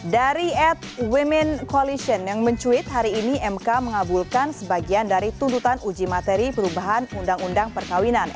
dari ad women coalition yang mencuit hari ini mk mengabulkan sebagian dari tuntutan uji materi perubahan undang undang perkawinan